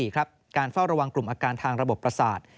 การเฝ้าระวังกลุ่มอาการทางระบบประสาท